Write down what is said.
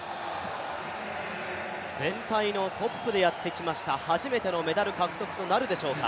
全体のトップでやってきました、初めてのメダル獲得となるでしょうか。